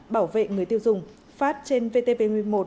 bảo vệ người tiêu dùng phát trên vtv một